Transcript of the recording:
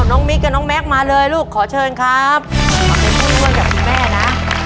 ต้องการผู้ช่วยแม่นะ